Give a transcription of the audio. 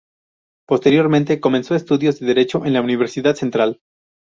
Posteriormente comenzó estudios de derecho en la Universidad Central.